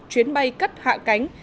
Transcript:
chuyến bay cất hạ cánh